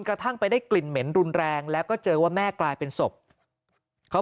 กระทั่งไปได้กลิ่นเหม็นรุนแรงแล้วก็เจอว่าแม่กลายเป็นศพเขา